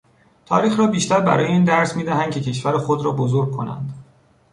تاریخ را بیشتر برای این درس میدهند که کشور خود را بزرگ کنند.